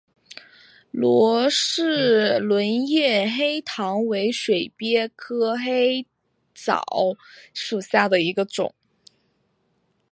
罗氏轮叶黑藻为水鳖科黑藻属下的一个种。